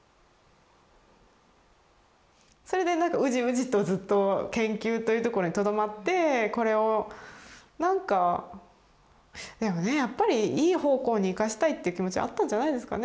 それでウジウジとずっと研究というところにとどまってこれをなんかでもねやっぱりいい方向に生かしたいっていう気持ちあったんじゃないですかね。